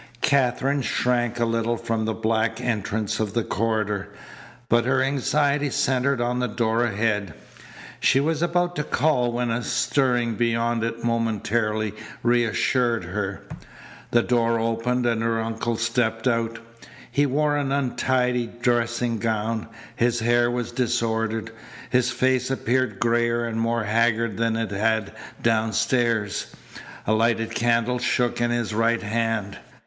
Katherine shrank a little from the black entrance of the corridor, but her anxiety centred on the door ahead. She was about to call when a stirring beyond it momentarily reassured her. The door opened and her uncle stepped out. He wore an untidy dressing gown. His hair was disordered. His face appeared grayer and more haggard than it had downstairs. A lighted candle shook in his right hand.